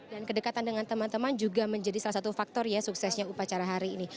dan kedekatan dengan teman teman juga menjadi salah satu faktor suksesnya upacara hari ini